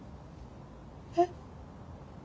えっ。